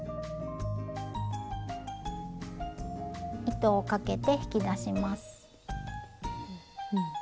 糸をかけて引き出します。